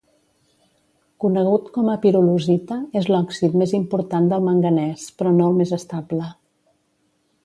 Conegut com a pirolusita, és l'òxid més important del manganès, però no el més estable.